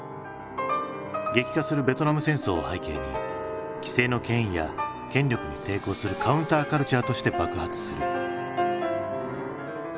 激化するベトナム戦争を背景に既成の権威や権力に抵抗するカウンターカルチャーとして爆発する。